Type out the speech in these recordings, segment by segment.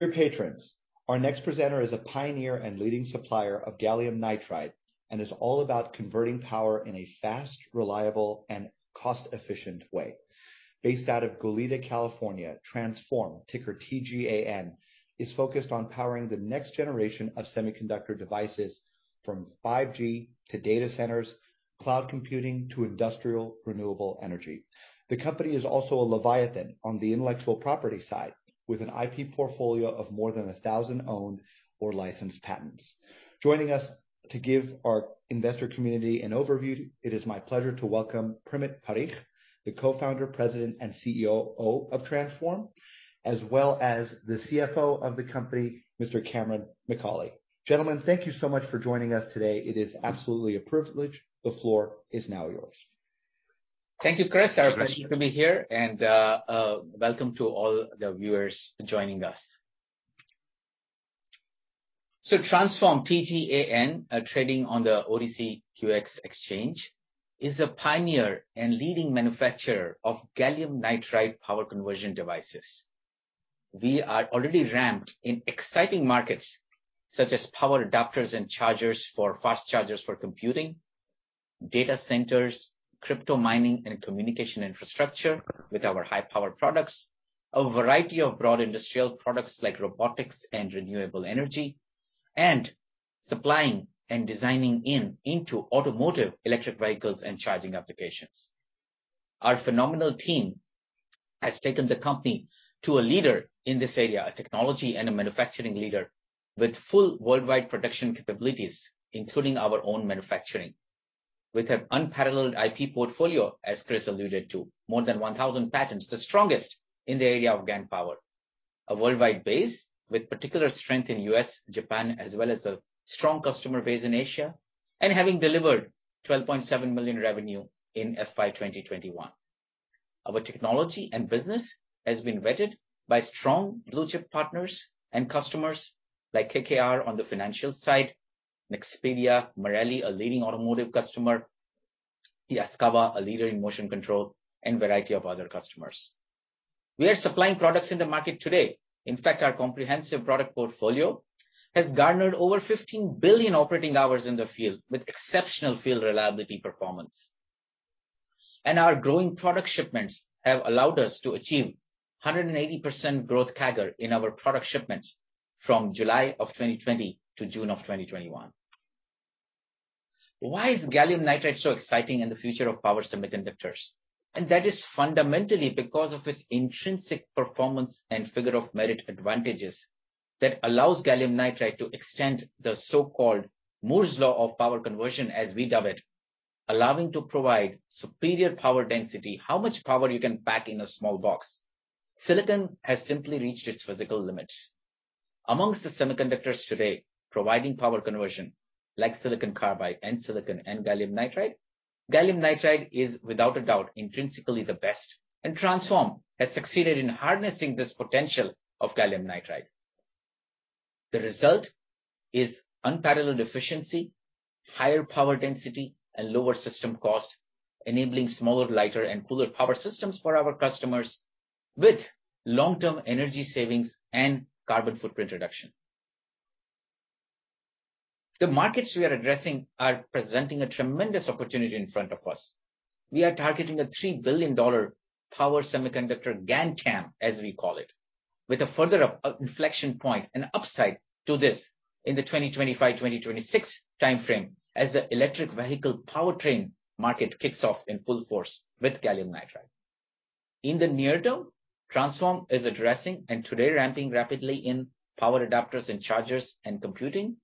Dear patrons, our next presenter is a pioneer and leading supplier of gallium nitride and is all about converting power in a fast, reliable, and cost-efficient way. Based out of Goleta, California, Transphorm, ticker TGAN, is focused on powering the next generation of semiconductor devices from 5G to data centers, cloud computing to industrial renewable energy. The company is also a leviathan on the intellectual property side, with an IP portfolio of more than 1,000 owned or licensed patents. Joining us to give our investor community an overview, it is my pleasure to welcome Primit Parikh, the co-founder, President, and CEO of Transphorm, as well as the CFO of the company, Mr. Cameron McAulay. Gentlemen, thank you so much for joining us today. It is absolutely a privilege. The floor is now yours. Thank you, Chris. Our pleasure to be here and welcome to all the viewers joining us. Transphorm, TGAN, trading on the OTCQX exchange, is the pioneer and leading manufacturer of gallium nitride power conversion devices. We are already ramped in exciting markets such as power adapters and chargers for fast chargers for computing, data centers, crypto mining, and communication infrastructure with our high-power products, a variety of broad industrial products like robotics and renewable energy, and supplying and designing into automotive electric vehicles and charging applications. Our phenomenal team has taken the company to a leader in this area, a technology and a manufacturing leader with full worldwide production capabilities, including our own manufacturing with an unparalleled IP portfolio, as Chris alluded to, more than 1,000 patents, the strongest in the area of GaN power, a worldwide base with particular strength in U.S., Japan, as well as a strong customer base in Asia, and having delivered $12.7 million revenue in FY 2021. Our technology and business has been vetted by strong blue-chip partners and customers like KKR on the financial side, Nexperia, Marelli, a leading automotive customer, Yaskawa, a leader in motion control, and a variety of other customers. We are supplying products in the market today. In fact, our comprehensive product portfolio has garnered over 15 billion operating hours in the field with exceptional field reliability performance. Our growing product shipments have allowed us to achieve 180% growth CAGR in our product shipments from July of 2020 -June of 2021. Why is gallium nitride so exciting in the future of power semiconductors? That is fundamentally because of its intrinsic performance and figure of merit advantages that allows gallium nitride to extend the so-called Moore's law of power conversion, as we dub it, allowing to provide superior power density, how much power you can pack in a small box. Silicon has simply reached its physical limits. Amongst the semiconductors today, providing power conversion like silicon carbide and silicon and gallium nitride, gallium nitride is without a doubt intrinsically the best, and Transphorm has succeeded in harnessing this potential of gallium nitride. The result is unparalleled efficiency, higher power density, and lower system cost, enabling smaller, lighter, and cooler power systems for our customers with long term energy savings and carbon footprint reduction. The markets we are addressing are presenting a tremendous opportunity in front of us. We are targeting a $3 billion power semiconductor GaN TAM, as we call it, with a further inflection point and upside to this in the 2025, 2026 timeframe as the electric vehicle powertrain market kicks off in full force with gallium nitride. In the near term, Transphorm is addressing and today ramping rapidly in power adapters and chargers and computing,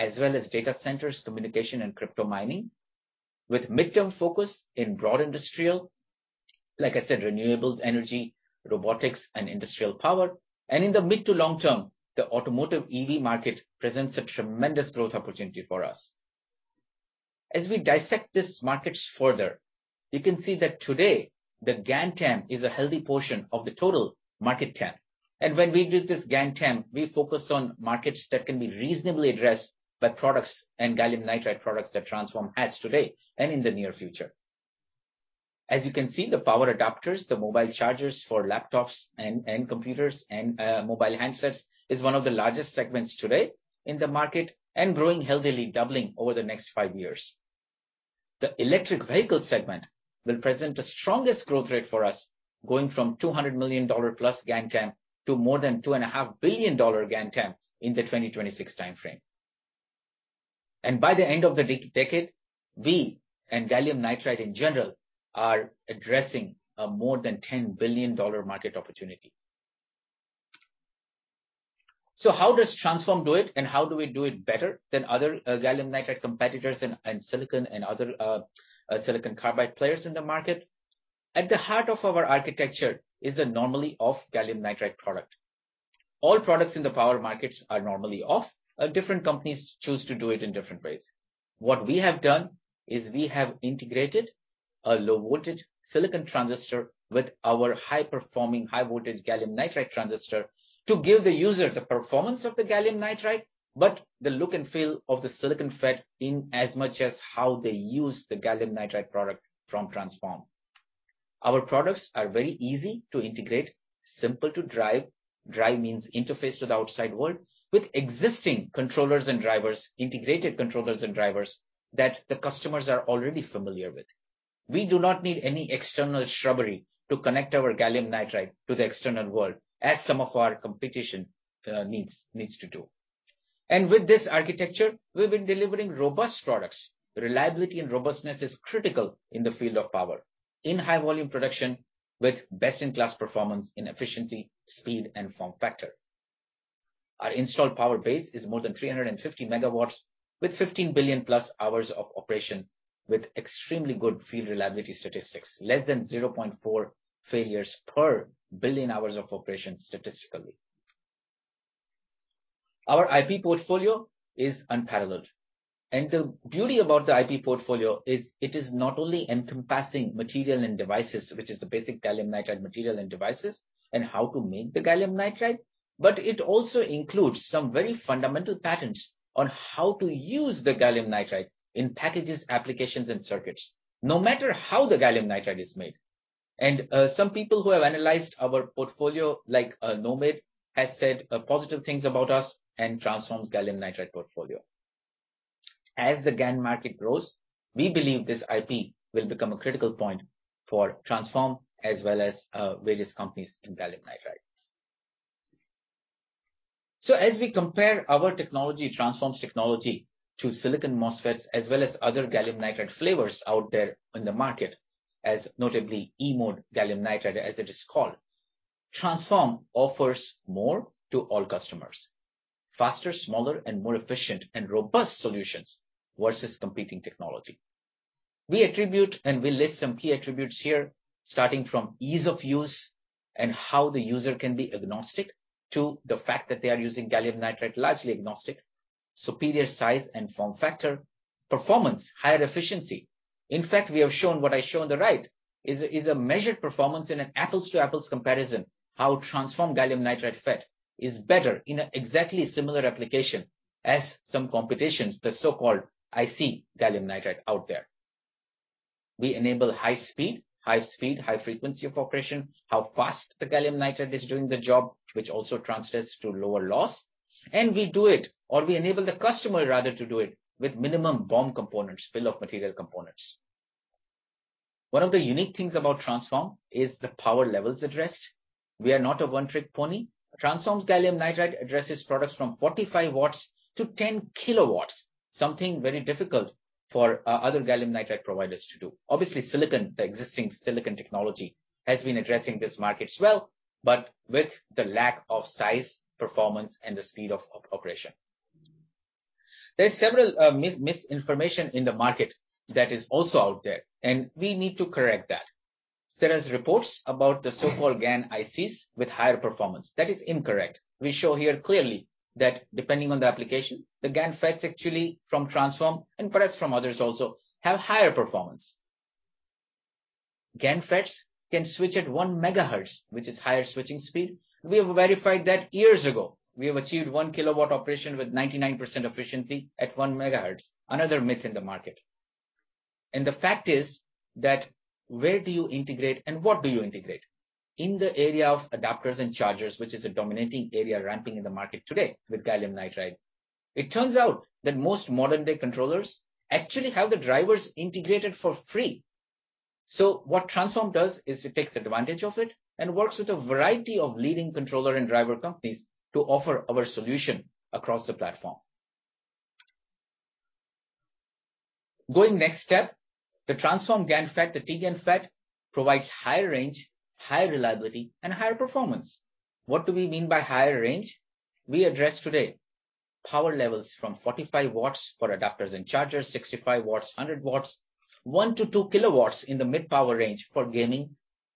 as well as data centers, communication, and crypto mining. With midterm focus in broad industrial, like I said, renewables energy, robotics, and industrial power. In the mid to long term, the automotive EV market presents a tremendous growth opportunity for us. As we dissect these markets further, you can see that today the GaN TAM is a healthy portion of the total market TAM. When we do this GaN TAM, we focus on markets that can be reasonably addressed by products and gallium nitride products that Transphorm has today and in the near future. As you can see, the power adapters, the mobile chargers for laptops and computers and mobile handsets is one of the largest segments today in the market and growing healthily, doubling over the next five years. The electric vehicle segment will present the strongest growth rate for us, going from $200 million-plus GaN TAM to more than $2.5 billion GaN TAM in the 2026 timeframe. By the end of the decade, we and gallium nitride, in general, are addressing a more than $10 billion market opportunity. How does Transphorm do it, and how do we do it better than other gallium nitride competitors and silicon and other silicon carbide players in the market? At the heart of our architecture is the normally off gallium nitride product. All products in the power markets are normally off. Different companies choose to do it in different ways. What we have done is we have integrated a low voltage silicon transistor with our high-performing high voltage gallium nitride transistor to give the user the performance of the gallium nitride, but the look and feel of the silicon FET in as much as how they use the gallium nitride product from Transphorm. Our products are very easy to integrate, simple to drive means interface to the outside world, with existing controllers and drivers, integrated controllers and drivers that the customers are already familiar with. We do not need any external shrubbery to connect our gallium nitride to the external world, as some of our competition needs to do. With this architecture, we've been delivering robust products. Reliability and robustness is critical in the field of power, in high volume production with best-in-class performance in efficiency, speed, and form factor. Our installed power base is more than 350 MW, with 15 billion+ hours of operation, with extremely good field reliability statistics, less than 0.4 failures per billion hours of operation statistically. Our IP portfolio is unparalleled. The beauty about the IP portfolio is it is not only encompassing material and devices, which is the basic gallium nitride material and devices, and how to make the gallium nitride, but it also includes some very fundamental patents on how to use the gallium nitride in packages, applications, and circuits, no matter how the gallium nitride is made. Some people who have analyzed our portfolio, like Nomad, has said positive things about us and Transphorm's gallium nitride portfolio. As the GaN market grows, we believe this IP will become a critical point for Transphorm as well as various companies in gallium nitride. As we compare our technology, Transphorm's technology, to silicon MOSFETs as well as other gallium nitride flavors out there on the market, as notably e-mode gallium nitride, as it is called, Transphorm offers more to all customers. Faster, smaller, more efficient and robust solutions versus competing technology. We attribute, we list some key attributes here, starting from ease of use and how the user can be agnostic to the fact that they are using gallium nitride, largely agnostic, superior size and form factor, performance, higher efficiency. In fact, we have shown what I show on the right is a measured performance in an apples-to-apples comparison how Transphorm gallium nitride FET is better in an exactly similar application as some competitions, the so-called IC gallium nitride out there. We enable high speed, high frequency of operation, how fast the gallium nitride is doing the job, which also translates to lower loss, and we do it, or we enable the customer rather to do it, with minimum BOM components, bill of material components. One of the unique things about Transphorm is the power levels addressed. We are not a one-trick pony. Transphorm's gallium nitride addresses products from 45 W - kW, something very difficult for other gallium nitride providers to do. Silicon, the existing silicon technology, has been addressing this market as well, but with the lack of size, performance, and the speed of operation. There is several misinformation in the market that is also out there. We need to correct that. There is reports about the so-called GaN ICs with higher performance. That is incorrect. We show here clearly that depending on the application, the GaN FETs actually from Transphorm, perhaps from others also, have higher performance. GaN FETs can switch at 1 MHz, which is higher switching speed. We have verified that years ago. We have achieved 1 kW operation with 99% efficiency at 1 MHz, another myth in the market. The fact is that where do you integrate and what do you integrate? In the area of adapters and chargers, which is a dominating area ramping in the market today with gallium nitride, it turns out that most modern-day controllers actually have the drivers integrated for free. What Transphorm does is it takes advantage of it and works with a variety of leading controller and driver companies to offer our solution across the platform. Going next step, the Transphorm GaN FET, the T GaN FET, provides higher range, higher reliability, and higher performance. What do we mean by higher range? We address today power levels from 45 W for adapters and chargers, 65 W, 100 W, 1-2 kW in the mid power range for gaming,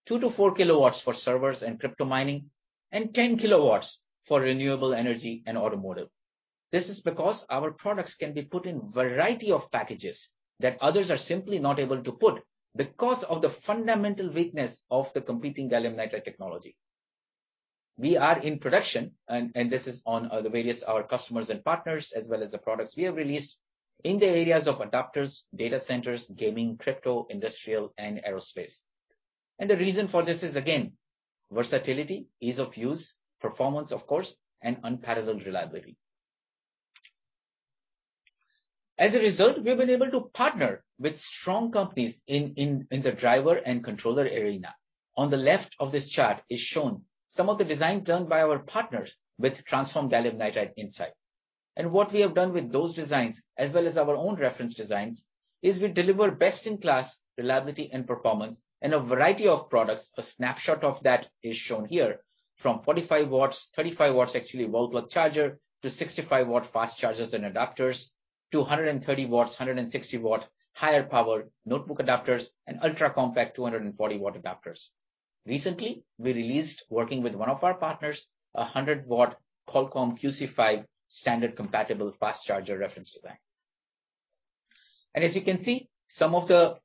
2-4 kW for servers and crypto mining, and 10 kW for renewable energy and automotive. This is because our products can be put in variety of packages that others are simply not able to put because of the fundamental weakness of the competing gallium nitride technology. We are in production, this is on the various our customers and partners, as well as the products we have released, in the areas of adapters, data centers, gaming, crypto, industrial, and aerospace. The reason for this is, again, versatility, ease of use, performance, of course, and unparalleled reliability. As a result, we've been able to partner with strong companies in the driver and controller arena. On the left of this chart is shown some of the design done by our partners with Transphorm gallium nitride inside. What we have done with those designs, as well as our own reference designs, is we deliver best in class reliability and performance in a variety of products. A snapshot of that is shown here, from 45 watts, 35 watts actually wall clock charger, to 65 watt fast chargers and adapters, to 130 watts, 160 watt higher power notebook adapters and ultra-compact 240 watt adapters. Recently, we released, working with one of our partners, a 100 watt Qualcomm QC5 standard compatible fast charger reference design. As you can see, some of the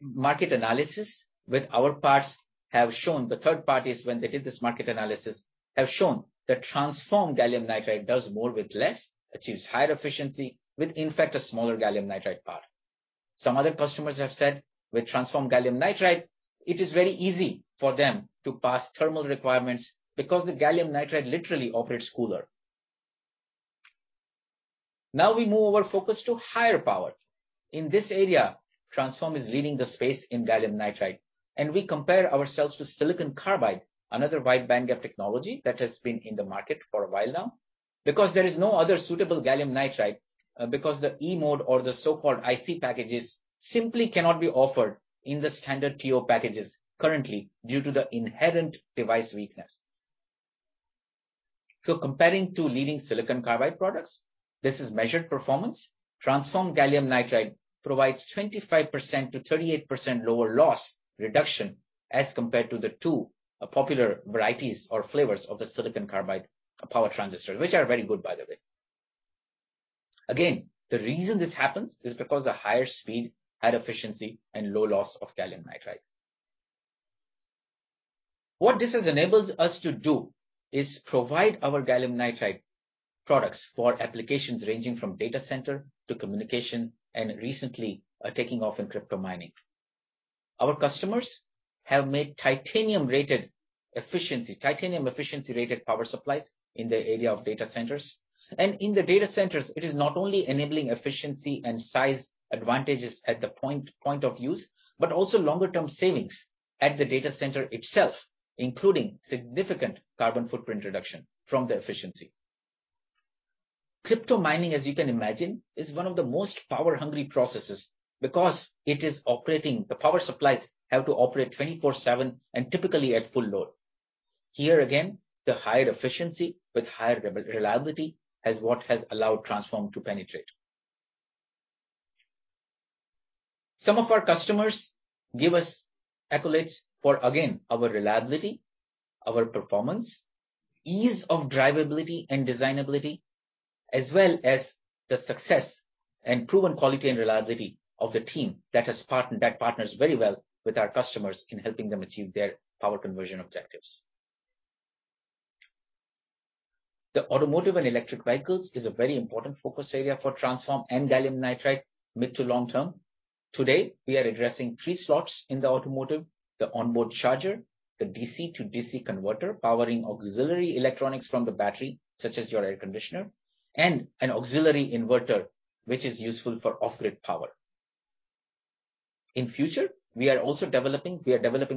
market analysis with our parts have shown the third parties when they did this market analysis, have shown that Transphorm gallium nitride does more with less, achieves higher efficiency with, in fact, a smaller gallium nitride part. Some other customers have said with Transphorm gallium nitride, it is very easy for them to pass thermal requirements because the gallium nitride literally operates cooler. Now we move our focus to higher power. In this area, Transphorm is leading the space in gallium nitride, and we compare ourselves to silicon carbide, another wide bandgap technology that has been in the market for a while now. Because there is no other suitable gallium nitride, because the E-mode or the so-called IC packages simply cannot be offered in the standard TO packages currently due to the inherent device weakness. Comparing to leading silicon carbide products, this is measured performance. Transphorm gallium nitride provides 25%-38% lower loss reduction as compared to the two popular varieties or flavors of the silicon carbide power transistor, which are very good, by the way. Again, the reason this happens is because the higher speed, high efficiency, and low loss of gallium nitride. What this has enabled us to do is provide our gallium nitride products for applications ranging from data center to communication, and recently, taking off in crypto mining. Our customers have made titanium efficiency rated power supplies in the area of data centers. In the data centers, it is not only enabling efficiency and size advantages at the point of use but also longer term savings at the data center itself, including significant carbon footprint reduction from the efficiency. Crypto mining, as you can imagine, is one of the most power-hungry processes because the power supplies have to operate 24/7 and typically at full load. Here again, the higher efficiency with higher reliability is what has allowed Transphorm to penetrate. Some of our customers give us accolades for, again, our reliability, our performance, ease of drivability and designability, as well as the success and proven quality and reliability of the team that partners very well with our customers in helping them achieve their power conversion objectives. The automotive and electric vehicles is a very important focus area for Transphorm and gallium nitride mid to long term. Today, we are addressing three slots in the automotive, the onboard charger, the DC-DC converter powering auxiliary electronics from the battery, such as your air conditioner, and an auxiliary inverter, which is useful for off-grid power. In future, we are developing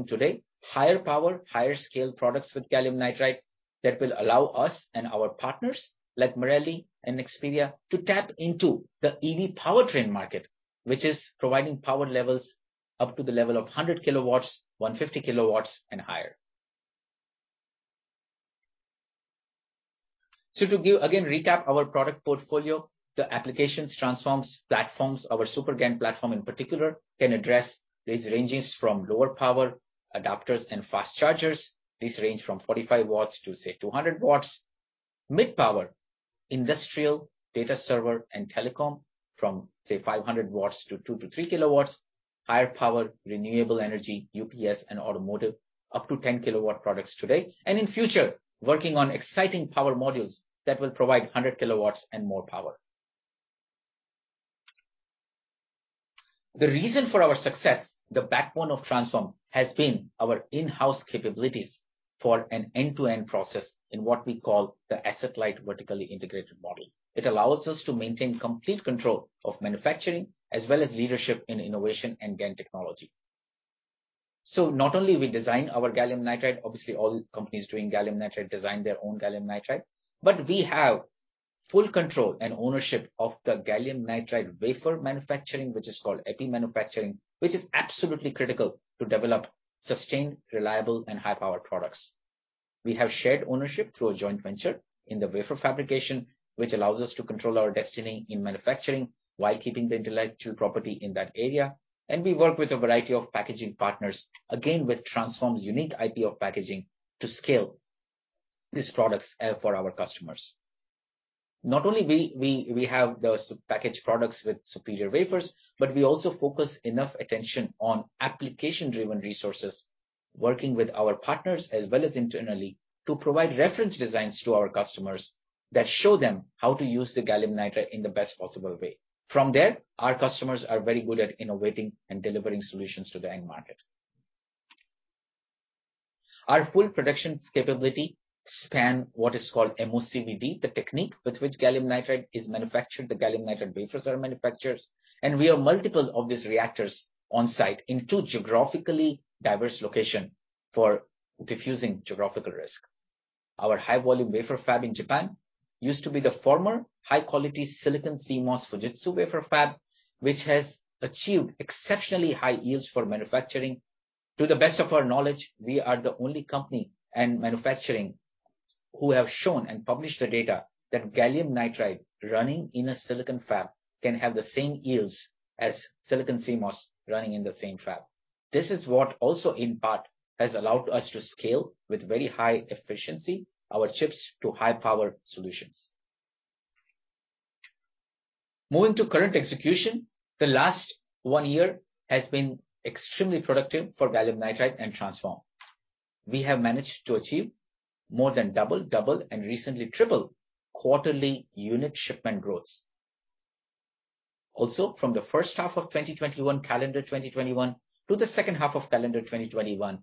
today higher power, higher scale products with gallium nitride that will allow us and our partners like Marelli and Nexperia to tap into the EV powertrain market, which is providing power levels up to the level of 100 kilowatts, 150 kilowatts, and higher. To, again, recap our product portfolio, the applications Transphorm's platforms, our SuperGaN platform in particular, can address these ranges from lower power adapters and fast chargers. These range from 45 watts to, say, 200 watts. Mid power, industrial data server and telecom from, say, 500 watts to two-three kilowatts. Higher power, renewable energy, UPS, and automotive up to 10 kilowatt products today. In future, working on exciting power modules that will provide 100 kilowatts and more power. The reason for our success, the backbone of Transphorm, has been our in-house capabilities for an end-to-end process in what we call the asset light vertically integrated model. It allows us to maintain complete control of manufacturing, as well as leadership in innovation and GaN technology. Not only we design our gallium nitride, obviously all companies doing gallium nitride design their own gallium nitride, but we have full control and ownership of the gallium nitride wafer manufacturing, which is called epi manufacturing, which is absolutely critical to develop sustained, reliable, and high-powered products. We have shared ownership through a joint venture in the wafer fabrication, which allows us to control our destiny in manufacturing while keeping the intellectual property in that area. We work with a variety of packaging partners, again, with Transphorm's unique IP of packaging to scale these products for our customers. Not only we have those packaged products with superior wafers, but we also focus enough attention on application-driven resources, working with our partners as well as internally to provide reference designs to our customers that show them how to use the gallium nitride in the best possible way. From there, our customers are very good at innovating and delivering solutions to the end market. Our full production capability span what is called MOCVD, the technique with which gallium nitride is manufactured, the gallium nitride wafers are manufactured, and we have multiple of these reactors on site in two geographically diverse location for diffusing geographical risk. Our high volume wafer fab in Japan used to be the former high-quality silicon CMOS Fujitsu wafer fab, which has achieved exceptionally high yields for manufacturing. To the best of our knowledge, we are the only company and manufacturing who have shown and published the data that gallium nitride running in a silicon fab can have the same yields as silicon CMOS running in the same fab. This is what also in part has allowed us to scale with very high-efficiency our chips to high-power solutions. Moving to current execution. The last one year has been extremely productive for gallium nitride and Transphorm. We have managed to achieve more than double, and recently triple quarterly unit shipment growths. From the first half of 2021, calendar 2021 to the second half of calendar 2021,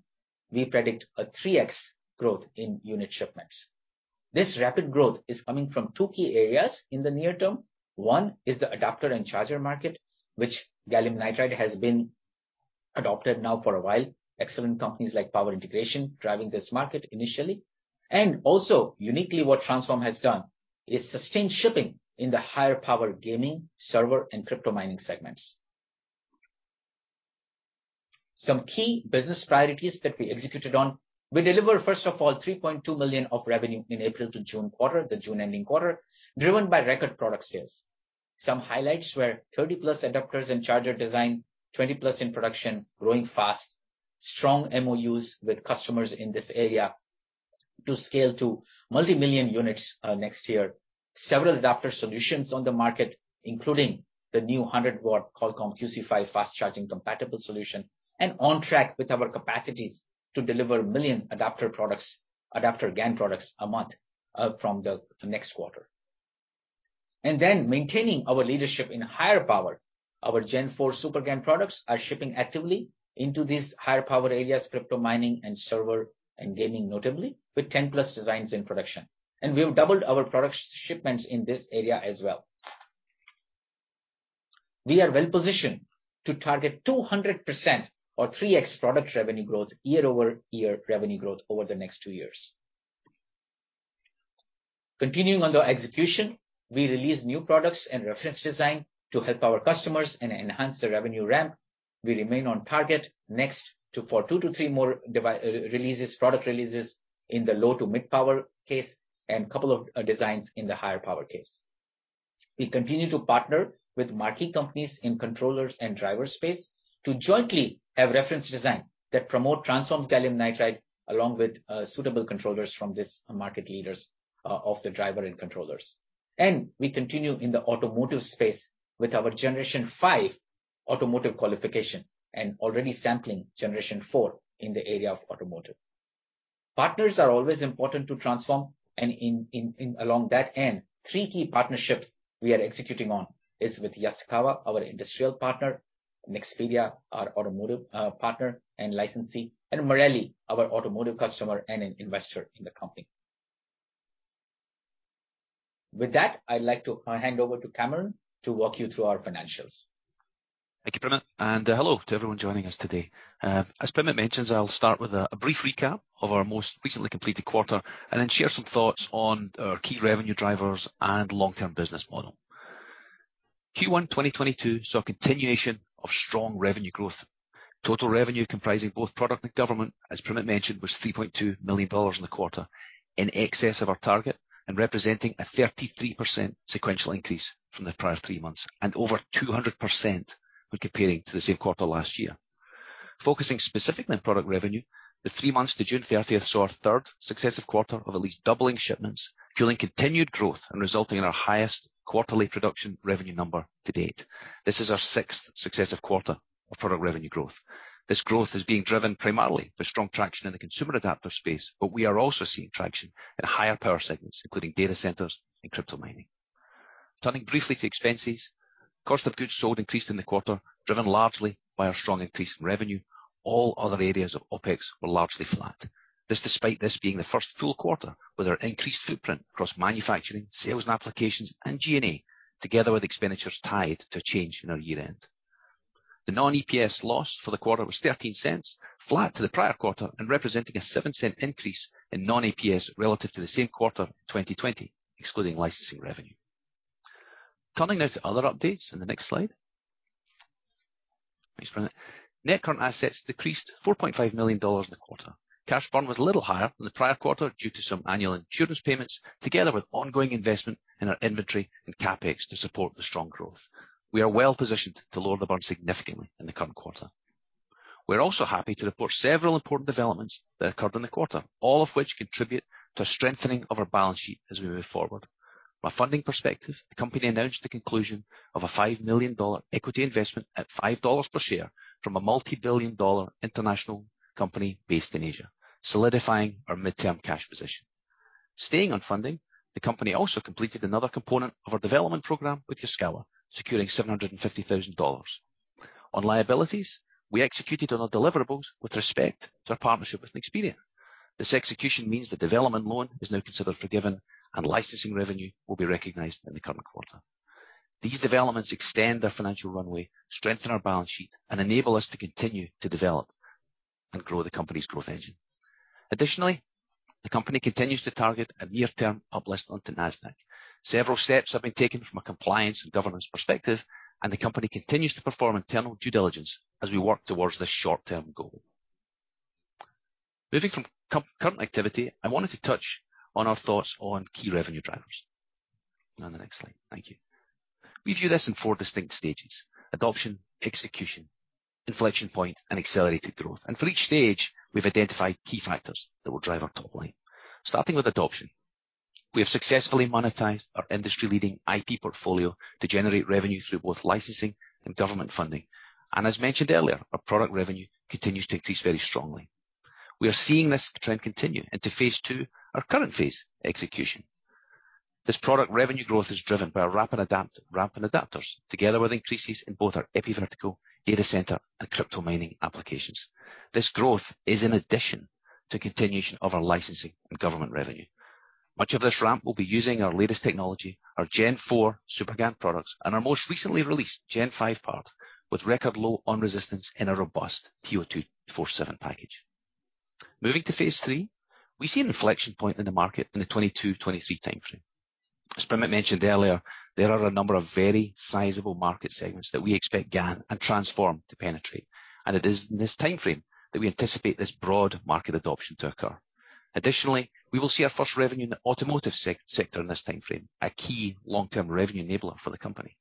we predict a 3x growth in unit shipments. This rapid growth is coming from two key areas in the near term. One is the adapter and charger market, which gallium nitride has been adopted now for a while, excellent companies like Power Integrations driving this market initially. Also uniquely, what Transphorm has done is sustained shipping in the higher power gaming, server, and crypto mining segments. Some key business priorities that we executed on. We deliver, first of all, $3.2 million of revenue in April to June quarter, the June ending quarter, driven by record product sales. Some highlights were 30-plus adapters and charger design, 20-plus in production, growing fast, strong MOUs with customers in this area to scale to multi-million units next year. Several adapter solutions on the market, including the new 100-watt Qualcomm QC5 fast charging compatible solution. On track with our capacities to deliver 1 million adapter GaN products a month from the next quarter. Then maintaining our leadership in higher power. Our Gen4 SuperGaN products are shipping actively into these higher power areas, crypto mining and server and gaming, notably with 10+ designs in production. We've doubled our product shipments in this area as well. We are well-positioned to target 200% or 3x product revenue growth year-over-year revenue growth over the next two years. Continuing on the execution, we release new products and reference design to help our customers and enhance the revenue ramp. We remain on target next for two -three more product releases in the low to mid-power case and a couple of designs in the higher power case. We continue to partner with marquee companies in controllers and driver space to jointly have reference design that promote Transphorm's gallium nitride along with suitable controllers from this market leaders of the driver and controllers. We continue in the automotive space with our Gen 5 automotive qualification and already sampling Gen IV in the area of automotive. Partners are always important to Transphorm, and along that end, three key partnerships we are executing on is with Yaskawa, our industrial partner, Nexperia, our automotive partner and licensee, and Marelli, our automotive customer and an investor in the company. With that, I'd like to hand over to Cameron to walk you through our financials. Thank you, Primit. Hello to everyone joining us today. As Primit mentions, I'll start with a brief recap of our most recently completed quarter and then share some thoughts on our key revenue drivers and long-term business model. Q1 2022 saw a continuation of strong revenue growth. Total revenue comprising both product and government, as Primit mentioned, was $3.2 million in the quarter, in excess of our target and representing a 33% sequential increase from the prior three months and over 200% when comparing to the same quarter last year. Focusing specifically on product revenue, the three months to June 30th saw our third successive quarter of at least doubling shipments, fueling continued growth and resulting in our highest quarterly production revenue number to date. This is our sixth successive quarter of product revenue growth. This growth is being driven primarily by strong traction in the consumer adapter space, but we are also seeing traction in higher power segments, including data centers and crypto mining. Turning briefly to expenses, cost of goods sold increased in the quarter, driven largely by our strong increase in revenue. All other areas of OpEx were largely flat. This despite this being the first full quarter with our increased footprint across manufacturing, sales, and applications, and G&A, together with expenditures tied to a change in our year-end. The non-EPS loss for the quarter was $0.13, flat to the prior quarter, and representing a $0.07 increase in non-EPS relative to the same quarter 2020, excluding licensing revenue. Turning now to other updates in the next slide. Thanks, Primit. Net current assets decreased $4.5 million in the quarter. Cash burn was a little higher than the prior quarter due to some annual insurance payments, together with ongoing investment in our inventory and CapEx to support the strong growth. We are well-positioned to lower the burn significantly in the current quarter. We're also happy to report several important developments that occurred in the quarter, all of which contribute to a strengthening of our balance sheet as we move forward. From a funding perspective, the company announced the conclusion of a $5 million equity investment at $5 per share from a multi-billion dollar international company based in Asia, solidifying our midterm cash position. Staying on funding, the company also completed another component of our development program with Yaskawa, securing $750,000. On liabilities, we executed on our deliverables with respect to our partnership with Nexperia. This execution means the development loan is now considered forgiven, and licensing revenue will be recognized in the current quarter. These developments extend our financial runway, strengthen our balance sheet, and enable us to continue to develop and grow the company's growth engine. Additionally, the company continues to target a near-term public listing to Nasdaq. Several steps have been taken from a compliance and governance perspective, and the company continues to perform internal due diligence as we work towards this short term goal. Moving from current activity, I wanted to touch on our thoughts on key revenue drivers. On the next slide. Thank you. We view this in four distinct stages, adoption, execution, inflection point and accelerated growth. For each stage, we've identified key factors that will drive our top line. Starting with adoption, we have successfully monetized our industry-leading IP portfolio to generate revenue through both licensing and government funding. As mentioned earlier, our product revenue continues to increase very strongly. We are seeing this trend continue into phase II, our current phase, execution. This product revenue growth is driven by our rapid adapters, together with increases in both our epi vertical data center and crypto mining applications. This growth is an addition to continuation of our licensing and government revenue. Much of this ramp will be using our latest technology, our Gen IV SuperGaN products, and our most recently released Gen five products, with record low on resistance and a robust TO-247 package. Moving to phase III, we see an inflection point in the market in the 2022, 2023 timeframe. As Primit mentioned earlier, there are a number of very sizable market segments that we expect GaN and Transphorm to penetrate, and it is in this timeframe that we anticipate this broad market adoption to occur. Additionally, we will see our first revenue in the automotive sector in this timeframe, a key long-term revenue enabler for the company.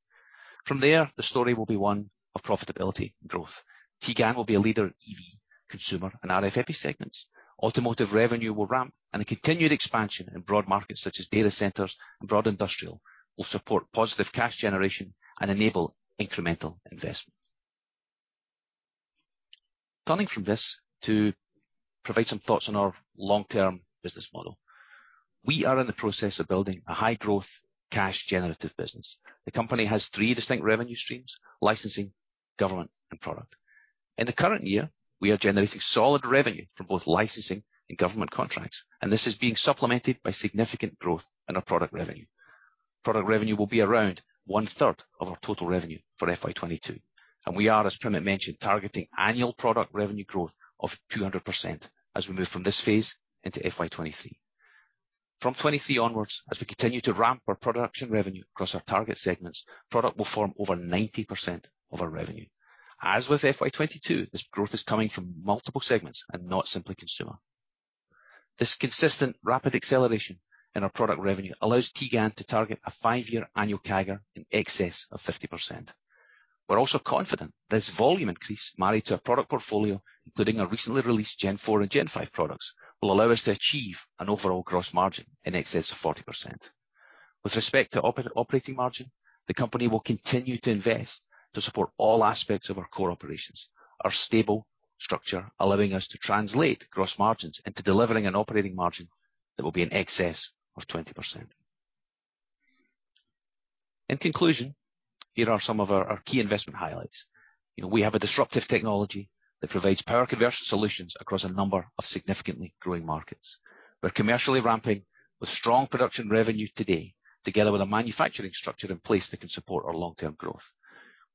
From there, the story will be one of profitability and growth. Transphorm will be a leader in EV, consumer, and RF segments. Automotive revenue will ramp, and the continued expansion in broad markets such as data centers and broad industrial will support positive cash generation and enable incremental investment. Turning from this to provide some thoughts on our long-term business model. We are in the process of building a high-growth, cash-generative business. The company has three distinct revenue streams: licensing, government, and product. In the current year, we are generating solid revenue from both licensing and government contracts, and this is being supplemented by significant growth in our product revenue. Product revenue will be around 1/3 of our total revenue for FY 2022, we are, as Primit mentioned, targeting annual product revenue growth of 200% as we move from this phase into FY 2023. From 2023 onwards, as we continue to ramp our production revenue across our target segments, product will form over 90% of our revenue. As with FY 2022, this growth is coming from multiple segments and not simply consumer. This consistent rapid acceleration in our product revenue allows Transphorm to target a five year annual CAGR in excess of 50%. We're also confident this volume increase, married to our product portfolio, including our recently released Gen IV and Gen five products, will allow us to achieve an overall gross margin in excess of 40%. With respect to operating margin, the company will continue to invest to support all aspects of our core operations, our stable structure allowing us to translate gross margins into delivering an operating margin that will be in excess of 20%. In conclusion, here are some of our key investment highlights. We have a disruptive technology that provides power conversion solutions across a number of significantly growing markets. We are commercially ramping with strong production revenue today, together with a manufacturing structure in place that can support our long-term growth.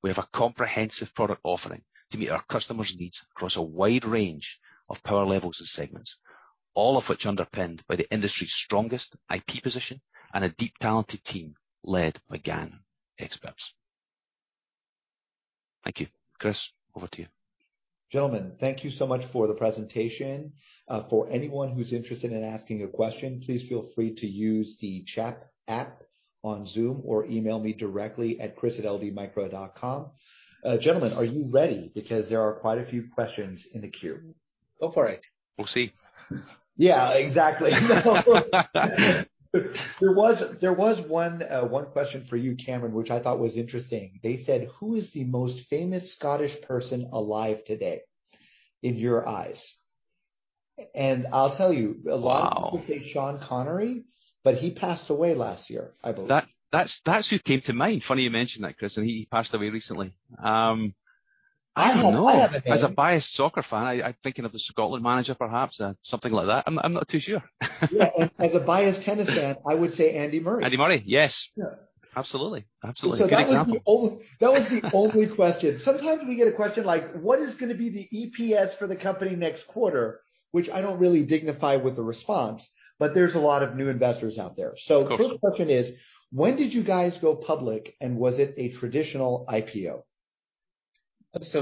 We have a comprehensive product offering to meet our customers' needs across a wide range of power levels and segments, all of which underpinned by the industry's strongest IP position and a deep talented team led by GaN experts. Thank you. Chris, over to you. Gentlemen, thank you so much for the presentation. For anyone who's interested in asking a question, please feel free to use the chat app on Zoom or email me directly at chris@ldmicro.com. Gentlemen, are you ready? There are quite a few questions in the queue. Go for it. We'll see. Yeah, exactly. There was one question for you, Cameron, which I thought was interesting. They said, "Who is the most famous Scottish person alive today, in your eyes?" I'll tell you. Wow A lot of people say Sean Connery, but he passed away last year, I believe. That's who came to mind. Funny you mention that, Chris, and he passed away recently. I don't know. I have a- As a biased soccer fan, I'm thinking of the Scotland manager perhaps, something like that. I'm not too sure. Yeah. As a biased tennis fan, I would say Andy Murray. Andy Murray, yes. Yeah. Absolutely. Good example. That was the only question. Sometimes we get a question like, "What is going to be the EPS for the company next quarter?" Which I don't really dignify with a response, but there's a lot of new investors out there. Of course. Quick question is, when did you guys go public, and was it a traditional IPO?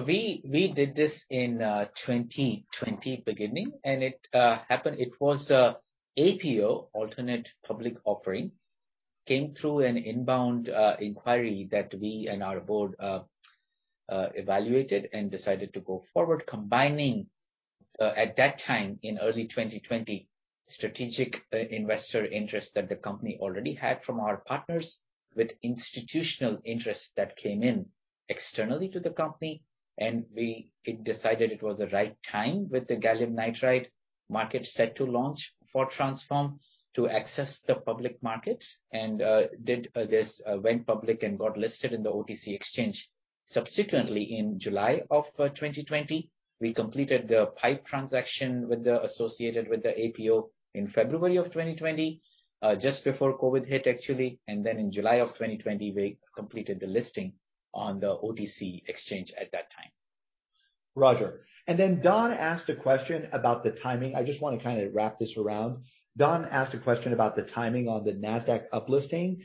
We did this in 2020, beginning, and it happened, it was a APO, alternate public offering, came through an inbound inquiry that we and our board evaluated and decided to go forward combining, at that time, in early 2020, strategic investor interest that the company already had from our partners with institutional interest that came in externally to the company, and we decided it was the right time with the gallium nitride market set to launch for Transphorm to access the public markets and did this, went public, and got listed in the OTCQX. Subsequently, in July of 2020, we completed the PIPE transaction associated with the APO in February of 2020, just before COVID hit, actually. In July of 2020, we completed the listing on the OTCQX at that time. Roger. Don asked a question about the timing. I just want to kind of wrap this around. Don asked a question about the timing on the Nasdaq up-listing.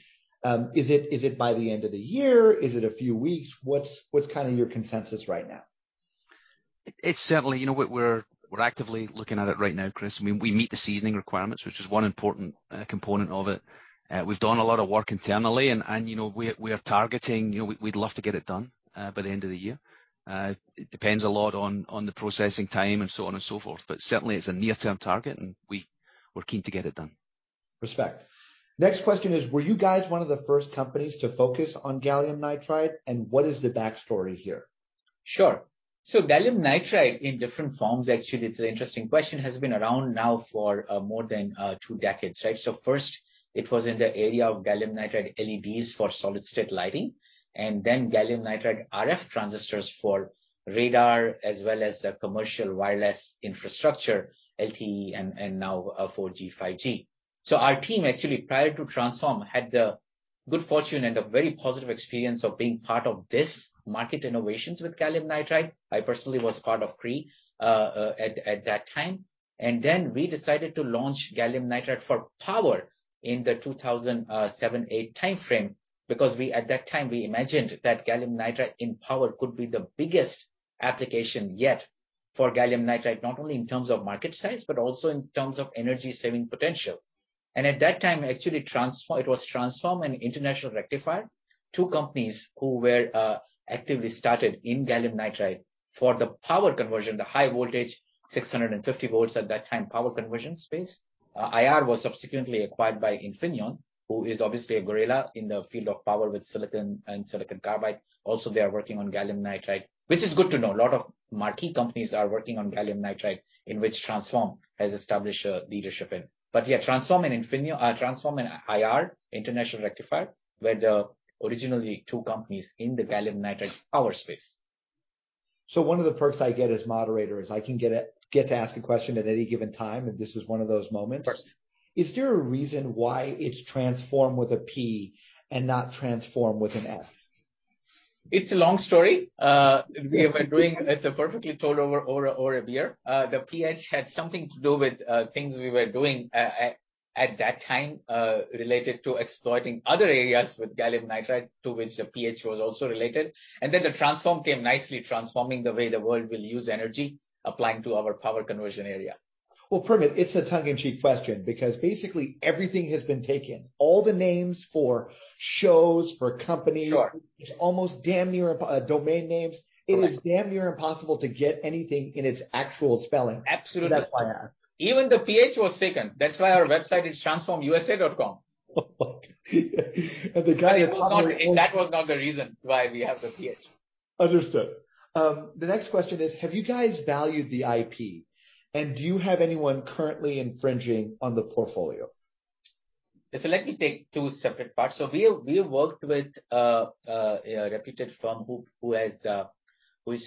Is it by the end of the year? Is it a few weeks? What's kind of your consensus right now? It's certainly, we're actively looking at it right now, Chris. We meet the seasoning requirements, which is one important component of it. We've done a lot of work internally, and we'd love to get it done by the end of the year. It depends a lot on the processing time and so on and so forth. Certainly, it's a near-term target, and we're keen to get it done. Respect. Next question is, were you guys one of the first companies to focus on gallium nitride, and what is the backstory here? Sure. Gallium nitride in different forms, actually, it's an interesting question, has been around now for more than two decades. First it was in the area of gallium nitride LEDs for solid state lighting, then gallium nitride RF transistors for radar as well as the commercial wireless infrastructure, LTE and now 4G, 5G. Our team actually, prior to Transphorm, had the good fortune and a very positive experience of being part of this market innovations with gallium nitride. I personally was part of Cree at that time. Then we decided to launch gallium nitride for power in the 2007/2008 timeframe because at that time, we imagined that gallium nitride in power could be the biggest application yet for gallium nitride, not only in terms of market size, but also in terms of energy-saving potential. At that time, actually, it was Transphorm and International Rectifier, two companies who were actively started in gallium nitride for the power conversion, the high voltage, 650 volts at that time, power conversion space. IR was subsequently acquired by Infineon, who is obviously a gorilla in the field of power with silicon and silicon carbide. They are working on gallium nitride, which is good to know. A lot of marquee companies are working on gallium nitride, in which Transphorm has established a leadership in. Transphorm and IR, International Rectifier, were the originally two companies in the gallium nitride power space. One of the perks I get as moderator is I can get to ask a question at any given time, and this is one of those moments. Sure. Is there a reason why it's Transphorm with a P and not Transform with an F? It's a long story. It's perfectly told over a beer. The PH had something to do with things we were doing at that time, related to exploiting other areas with gallium nitride, to which the PH was also related. The Transphorm came nicely, transforming the way the world will use energy, applying to our power conversion area. Well, Primit, it's a tongue-in-cheek question because basically everything has been taken. All the names for shows, for companies. Sure it's almost damn near, domain names. Right. It is damn near impossible to get anything in its actual spelling. Absolutely. That's why I asked. Even the PH was taken. That's why our website is transphormusa.com. The guy at- That was not the reason why we have the PH. Understood. The next question is, have you guys valued the IP, and do you have anyone currently infringing on the portfolio? Let me take two separate parts. We have worked with a reputed firm who is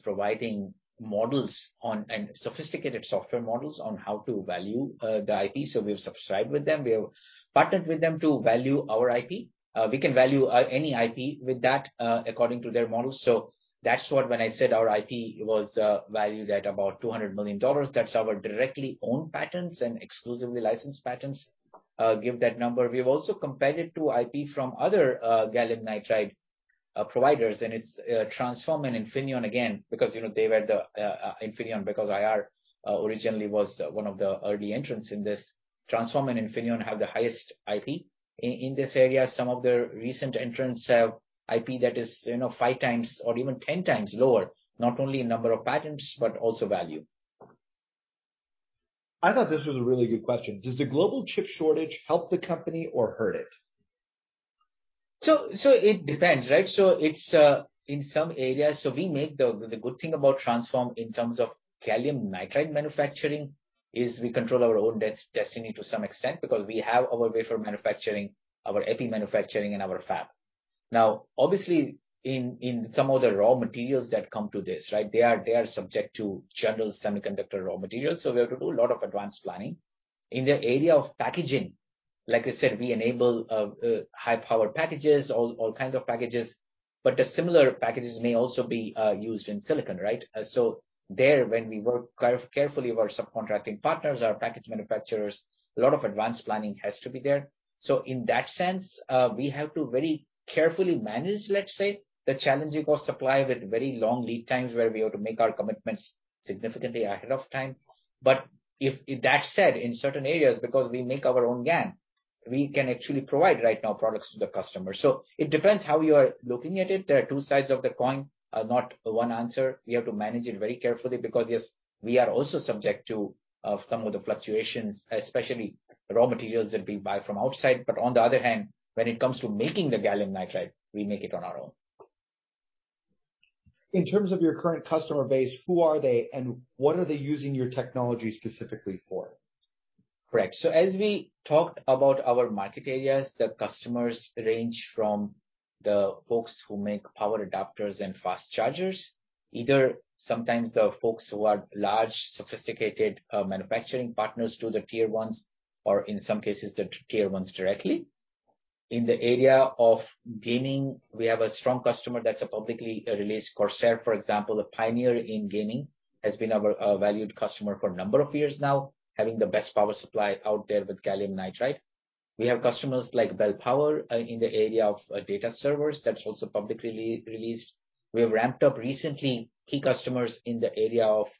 providing models on, and sophisticated software models on how to value the IP. We've subscribed with them. We have partnered with them to value our IP. We can value any IP with that, according to their models. That's what when I said our IP was valued at about $200 million. That's our directly owned patents and exclusively licensed patents give that number. We've also compared it to IP from other gallium nitride providers. It's Transphorm and Infineon again, because Infineon, because IR originally was one of the early entrants in this. Transphorm and Infineon have the highest IP in this area. Some of the recent entrants have IP that is 5x or even 10x lower, not only in number of patents, but also value. I thought this was a really good question. Does the global chip shortage help the company or hurt it? It depends, right? It's, in some areas, we make the good thing about Transphorm in terms of gallium nitride manufacturing is we control our own destiny to some extent because we have our wafer manufacturing, our epi manufacturing, and our fab. Now, obviously, in some of the raw materials that come to this, they are subject to general semiconductor raw materials. We have to do a lot of advanced planning. In the area of packaging, like I said, we enable high-power packages, all kinds of packages, but the similar packages may also be used in silicon, right? There, when we work carefully with our subcontracting partners, our package manufacturers, a lot of advanced planning has to be there. In that sense, we have to very carefully manage, let's say, the challenging of supply with very long lead times where we have to make our commitments significantly ahead of time. If that said, in certain areas, because we make our own GaN, we can actually provide right now products to the customer. It depends how you are looking at it. There are two sides of the coin, not one answer. We have to manage it very carefully because yes, we are also subject to some of the fluctuations, especially raw materials that we buy from outside. On the other hand, when it comes to making the gallium nitride, we make it on our own. In terms of your current customer base, who are they, and what are they using your technology specifically for? Correct. As we talked about our market areas, the customers range from the folks who make power adapters and fast chargers. Either sometimes the folks who are large, sophisticated manufacturing partners to the tier ones, or in some cases, the tier ones directly. In the area of gaming, we have a strong customer that's a publicly released, Corsair, for example, a pioneer in gaming, has been our valued customer for a number of years now, having the best power supply out there with gallium nitride. We have customers like Bel Power Solutions in the area of data servers, that's also publicly released. We have ramped up recently key customers in the area of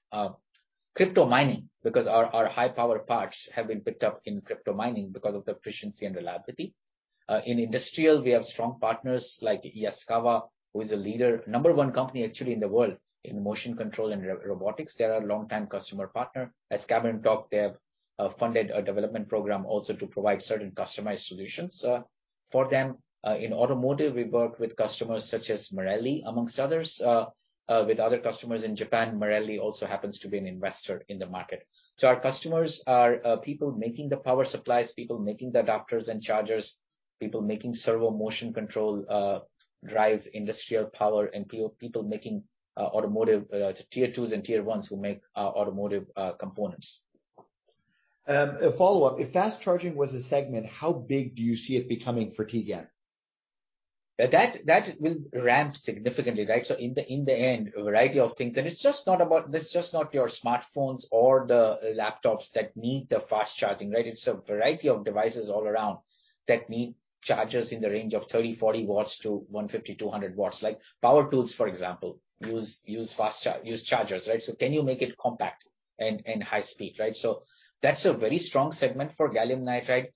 crypto mining, because our high power parts have been picked up in crypto mining because of the efficiency and reliability. In industrial, we have strong partners like Yaskawa, who is a leader, number one company actually in the world in motion control and robotics. They're our longtime customer partner. Yaskawa talked, they have funded a development program also to provide certain customized solutions for them. In automotive, we work with customers such as Marelli, amongst others, with other customers in Japan. Marelli also happens to be an investor in the market. Our customers are people making the power supplies, people making the adapters and chargers, people making servo motion control, drives, industrial power, and people making automotive, tier 2s and tier 1s who make automotive components. A follow-up. If fast charging was a segment, how big do you see it becoming for GaN? That will ramp significantly, right? In the end, a variety of things. This is just not your smartphones or the laptops that need the fast charging, right? It's a variety of devices all around that need chargers in the range of 30, 40 watts - 150, 200 watts. Like power tools, for example, use chargers, right? Can you make it compact and high speed, right? That's a very strong segment for gallium nitride,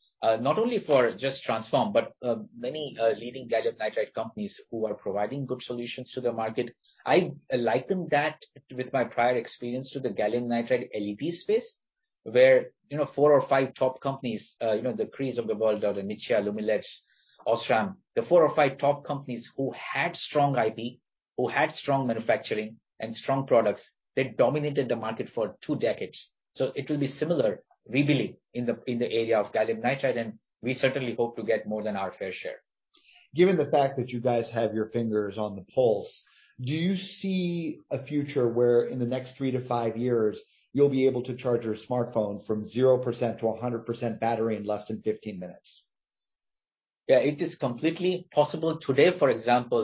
not only for just Transphorm, but many leading gallium nitride companies who are providing good solutions to the market. I liken that with my prior experience to the gallium nitride LED space, where four or five top companies, the Cree of the world or the Nichia, Lumileds, Osram, the four or five top companies who had strong IP, who had strong manufacturing and strong products, they dominated the market for two decades. It will be similar, we believe, in the area of gallium nitride, and we certainly hope to get more than our fair share. Given the fact that you guys have your fingers on the pulse, do you see a future where in the next three-five years, you'll be able to charge your smartphone from 0% - 100% battery in less than 15 minutes? Yeah, it is completely possible today, for example,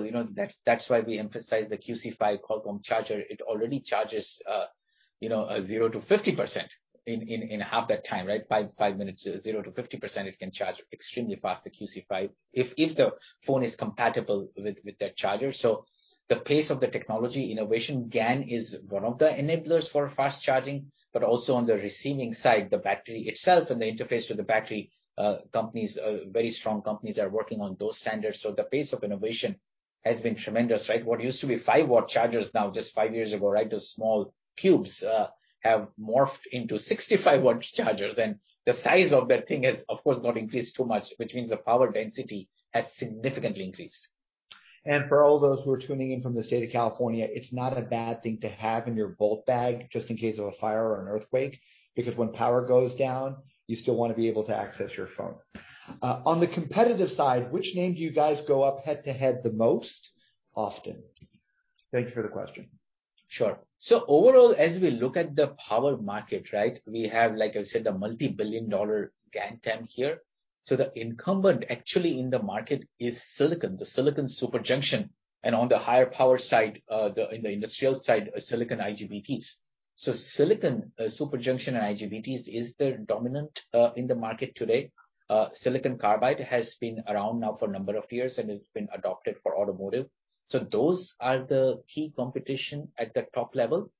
that's why we emphasize the Quick Charge five Qualcomm charger. It already charges 0%-50% in half that time, right? five minutes, 0%-50% it can charge extremely fast, the Quick Charge five, if the phone is compatible with that charger. The pace of the technology innovation, GaN is one of the enablers for fast charging, but also on the receiving side, the battery itself and the interface to the battery, very strong companies are working on those standards. The pace of innovation has been tremendous, right? What used to be five watt chargers now just five years ago, right? Those small cubes have morphed into 65 watt chargers, and the size of that thing has, of course, not increased too much, which means the power density has significantly increased. For all those who are tuning in from the state of California, it's not a bad thing to have in your bolt bag just in case of a fire or an earthquake, because when power goes down, you still want to be able to access your phone. On the competitive side, which name do you guys go up head to head the most often? Thank you for the question. Sure. Overall, as we look at the power market, right? We have, like I said, a $multi-billion GaN TAM here. The incumbent actually in the market is silicon, the silicon superjunction, and on the higher power side, in the industrial side, silicon IGBTs. Silicon superjunction and IGBTs is the dominant in the market today. Silicon carbide has been around now for a number of years, and it's been adopted for automotive. Those are the key competition at the top level.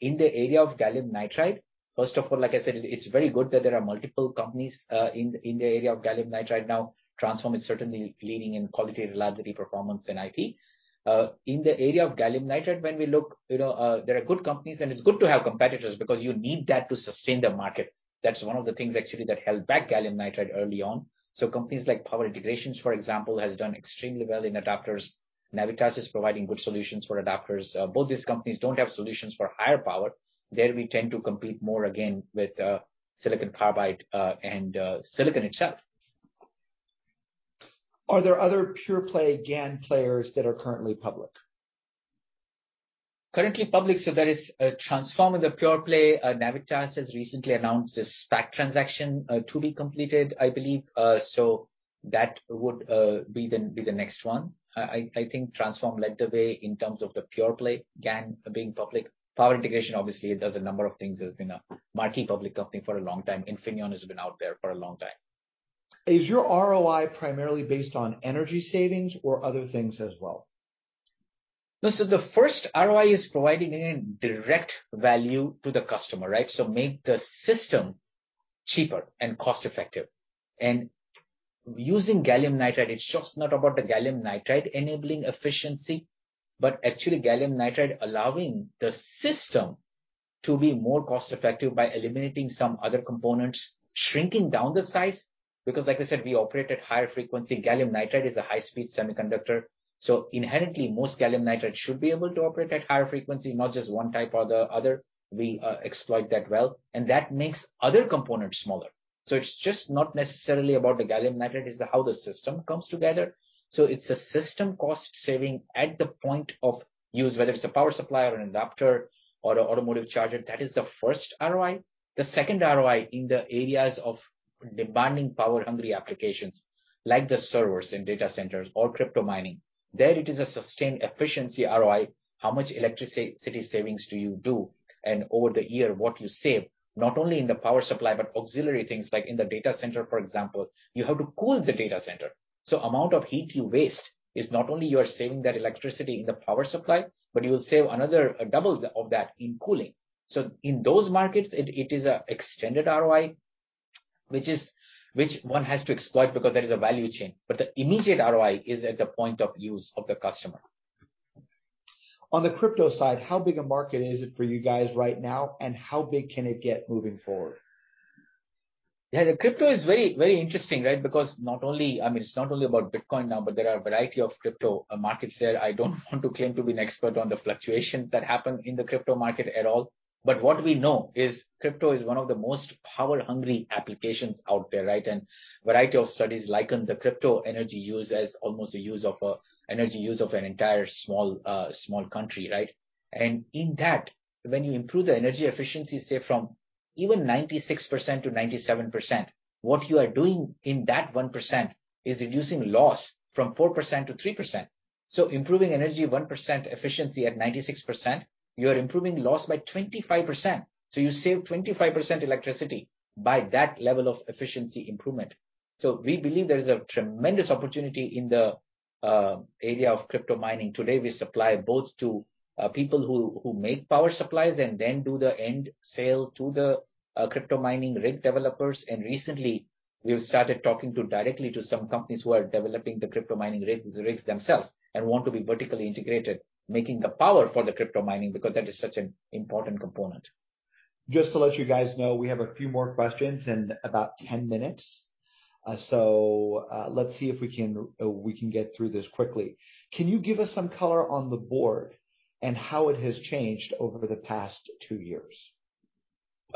In the area of gallium nitride, first of all, like I said, it's very good that there are multiple companies in the area of gallium nitride now. Transphorm is certainly leading in quality, reliability, performance, and IP. In the area of gallium nitride, when we look, there are good companies, and it's good to have competitors because you need that to sustain the market. That's one of the things actually that held back gallium nitride early on. Companies like Power Integrations, for example, has done extremely well in adapters. Navitas is providing good solutions for adapters. Both these companies don't have solutions for higher power. There we tend to compete more again with silicon carbide and silicon itself. Are there other pure play GaN players that are currently public? Currently public, Transphorm is a pure play. Navitas has recently announced a SPAC transaction to be completed, I believe. That would be the next one. I think Transphorm led the way in terms of the pure play GaN being public. Power Integrations, obviously, it does a number of things, has been a marquee public company for a long time. Infineon has been out there for a long time. Is your ROI primarily based on energy savings or other things as well? The first ROI is providing again direct value to the customer, right? Make the system cheaper and cost-effective. Using gallium nitride, it's just not about the gallium nitride enabling efficiency, but actually gallium nitride allowing the system to be more cost effective by eliminating some other components, shrinking down the size, because like I said, we operate at higher frequency. Gallium nitride is a high speed semiconductor. Inherently, most gallium nitride should be able to operate at higher frequency, not just one type or the other. We exploit that well, that makes other components smaller. It's just not necessarily about the gallium nitride, it's how the system comes together. It's a system cost saving at the point of use, whether it's a power supply or an adapter or an automotive charger. That is the first ROI. The second ROI in the areas of demanding power-hungry applications. Like the servers in data centers or crypto mining. There it is a sustained efficiency ROI, how much electricity savings do you do? Over the year what you save, not only in the power supply, but auxiliary things. Like in the data center, for example, you have to cool the data center, amount of heat you waste is not only you are saving that electricity in the power supply, but you'll save another double of that in cooling. In those markets, it is an extended ROI, which one has to exploit because there is a value chain. The immediate ROI is at the point of use of the customer. On the crypto side, how big a market is it for you guys right now, and how big can it get moving forward? Yeah. The crypto is very interesting, right? It's not only about Bitcoin now, but there are a variety of crypto markets there. I don't want to claim to be an expert on the fluctuations that happen in the crypto market at all. What we know is crypto is one of the most power hungry applications out there, right? A variety of studies liken the crypto energy use as almost a use of a energy use of an entire small country, right? In that, when you improve the energy efficiency, say from even 96% - 97%, what you are doing in that 1% is reducing loss from four percent - three percent. Improving energy one percent efficiency at 96%, you're improving loss by 25%. You save 25% electricity by that level of efficiency improvement. We believe there is a tremendous opportunity in the area of crypto mining. Today we supply both to people who make power supplies and then do the end sale to the crypto mining rig developers. Recently we've started talking directly to some companies who are developing the crypto mining rigs themselves and want to be vertically integrated, making the power for the crypto mining, because that is such an important component. Just to let you guys know, we have a few more questions and about 10 minutes. Let's see if we can get through this quickly. Can you give us some color on the board and how it has changed over the past two years?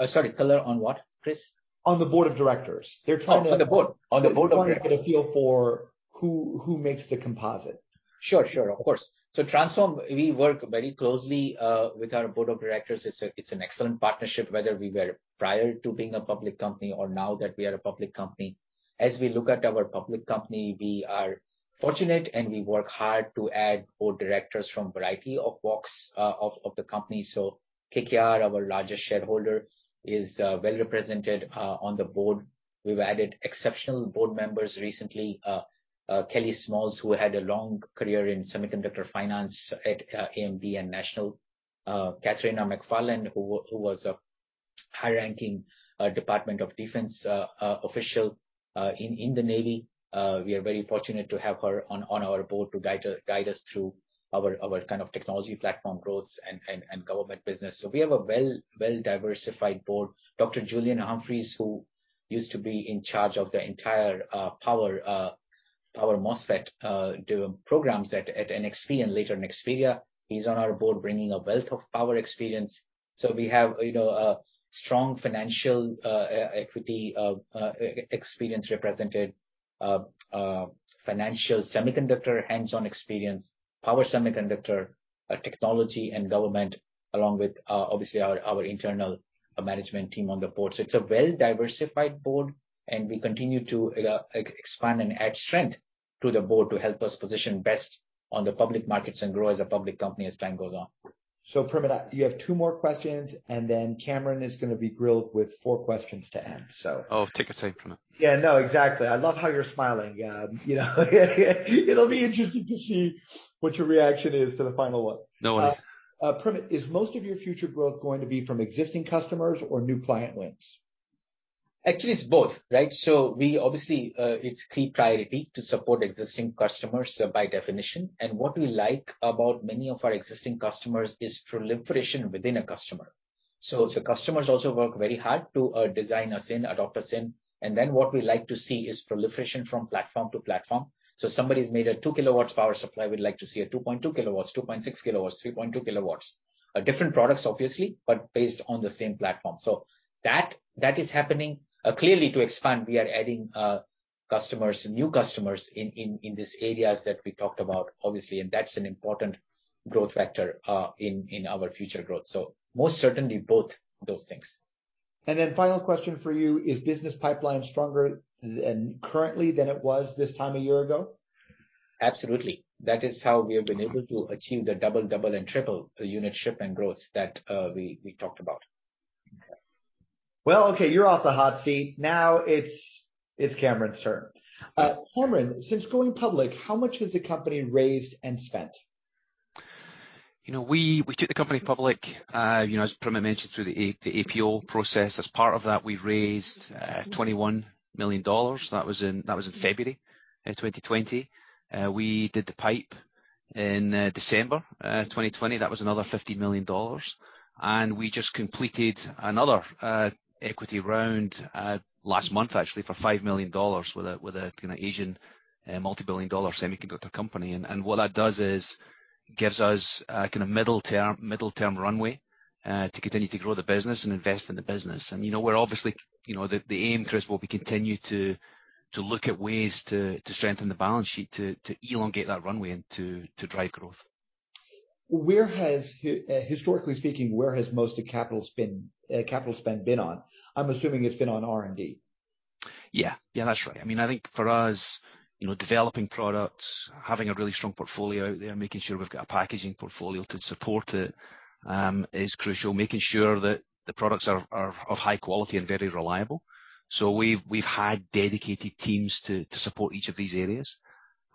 Sorry, color on what, Chris? On the board of directors. Oh, on the board. On the board of directors wanted to get a feel for who makes the composite. Sure. Of course. Transphorm, we work very closely with our Board of Directors. It's an excellent partnership, whether we were prior to being a public company or now that we are a public company. As we look at our public company, we are fortunate and we work hard to add Board members from variety of walks of the company. KKR, our largest shareholder, is well represented on the Board. We've added exceptional Board members recently. Kelly Smales, who had a long career in semiconductor finance at AMD and National. Katrina McFarland, who was a high-ranking Department of Defense official in the Navy. We are very fortunate to have her on our Board to guide us through our kind of technology platform growth and government business. We have a well diversified Board. Dr Julian Humphreys, who used to be in charge of the entire power MOSFET programs at NXP and later Nexperia. He's on our board bringing a wealth of power experience. We have a strong financial equity experience represented, financial semiconductor hands-on experience, power semiconductor, technology and government, along with, obviously our internal management team on the board. It's a well-diversified board, and we continue to expand and add strength to the board to help us position best on the public markets and grow as a public company as time goes on. Primit, you have two more questions, and then Cameron is gonna be grilled with four questions to end. Oh, ticket. Yeah. No, exactly. I love how you're smiling. It'll be interesting to see what your reaction is to the final one. No worries. Primit, is most of your future growth going to be from existing customers or new client wins? Actually, it's both, right? Obviously, it's key priority to support existing customers by definition. What we like about many of our existing customers is proliferation within a customer. Customers also work very hard to design a GaN, adopt a GaN, and then what we like to see is proliferation from platform to platform. Somebody's made a two kW power supply, we'd like to see a 2.2 kW, 2.6 kW, 3.2 kW. Different products obviously, but based on the same platform. That is happening. Clearly to expand, we are adding customers, new customers in these areas that we talked about, obviously. That's an important growth factor in our future growth. Most certainly both those things. Final question for you, is business pipeline stronger currently than it was this time a year ago? Absolutely. That is how we have been able to achieve the double, and triple unit shipment growth that we talked about. Well, okay, you're off the hot seat. Now it's Cameron's turn. Cameron, since going public, how much has the company raised and spent? We took the company public, as Primit mentioned, through the APO process. As part of that, we've raised $21 million. That was in February of 2020. We did the PIPE in December 2020. That was another $50 million. We just completed another equity round last month, actually, for $5 million with an Asian multibillion-dollar semiconductor company. What that does is gives us a middle-term runway to continue to grow the business and invest in the business. The aim, Chris, will be continue to look at ways to strengthen the balance sheet, to elongate that runway and to drive growth. Historically speaking, where has most of capital spend been on? I'm assuming it's been on R&D. Yeah. That's right. I think for us, developing products, having a really strong portfolio out there, making sure we've got a packaging portfolio to support it is crucial. Making sure that the products are of high quality and very reliable. We've had dedicated teams to support each of these areas,